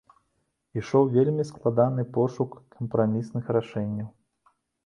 Ішоў вельмі складаны пошук кампрамісных рашэнняў.